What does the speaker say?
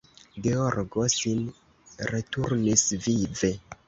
Georgo sin returnis vive.